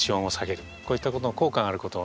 こういったことの効果があることをね